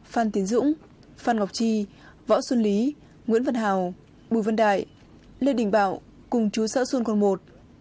phan tiến dũng phan ngọc tri võ xuân lý nguyễn văn hào bùi văn đại lê đình bảo cùng chú sở xuân còn một